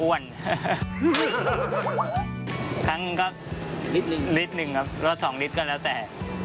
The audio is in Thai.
ครั้งหนึ่งครับลิตรหนึ่งครับรถสองลิตรก็แล้วแต่